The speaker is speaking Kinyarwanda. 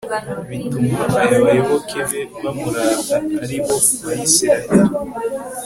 bituma abayoboke be bamurata: ari bo bayisraheli